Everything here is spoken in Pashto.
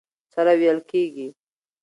سره وېل کېږي.